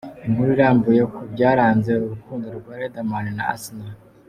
Inkuru irambuye ku byaranze urukundo rwa Riderman na Asinah.